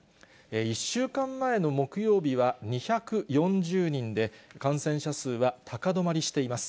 １週間前の木曜日は２４０人で、感染者数は高止まりしています。